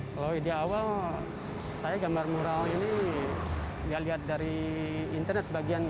kalau ide awal saya gambar mural ini ya lihat dari internet sebagian